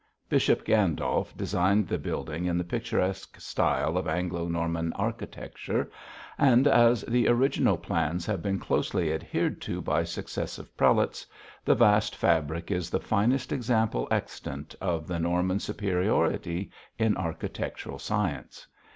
Bishop Gandolf designed the building in the picturesque style of Anglo Norman architecture; and as the original plans have been closely adhered to by successive prelates, the vast fabric is the finest example extant of the Norman superiority in architectural science.